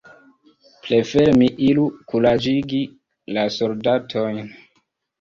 Prefere mi iru kuraĝigi la soldatojn.